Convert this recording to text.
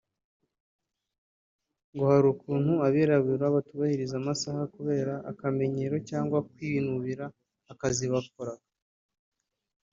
Ngo hari ukuntu abirabura batubahirizaga amasaha kubera akamenyero cyangwa kwinubira akazi bakoraga